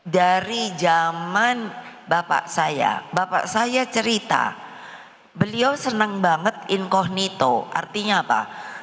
dari zaman bapak saya bapak saya cerita beliau senang banget inkoh nito artinya apa